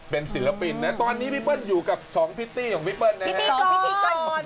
เป็นศิลปินนะตอนนี้พี่เปิ้ลอยู่กับสองพิตตี้ของพี่เปิ้ลนะฮะ